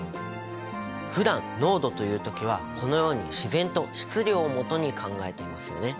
ふだん濃度というときはこのように自然と質量を基に考えていますよね。